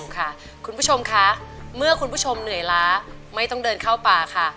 ค่ะคุณผู้ชมคะเมื่อคุณผู้ชมเหนื่อยล้าไม่ต้องเดินเข้าป่าค่ะ